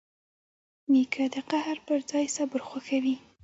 نیکه د قهر پر ځای صبر خوښوي.